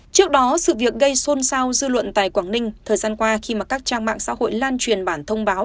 trước đó sự việc gây xôn xao dư luận tại quảng ninh thời gian qua khi mà các trang mạng xã hội lan truyền bản thông báo